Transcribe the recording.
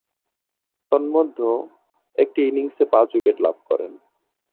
তন্মধ্যে, একটিতে ইনিংসে পাঁচ-উইকেট লাভ করেন।